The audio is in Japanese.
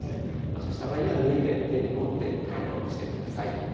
そうした場合には脱いで手に持って対応してください。